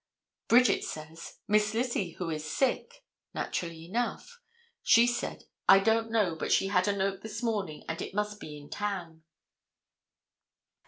Bridget says, "Miss Lizzie, who is sick?" naturally enough. She said. "I don't know, but she had a note this morning and it must be in town."